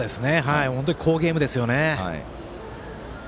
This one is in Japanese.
本当に好ゲームですよね。